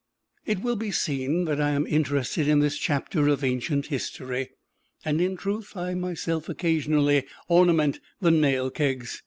It will be seen that I am interested in this chapter of Ancient History: and in truth, I myself occasionally ornament the nail kegs.